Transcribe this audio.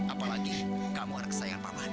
apalagi kamu ada kesayangan pak mahdi